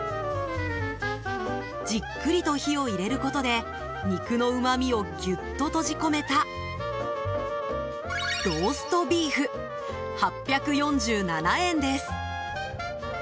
じっくりと火を入れることで肉のうまみをギュッと閉じ込めたローストビーフ、８４７円です。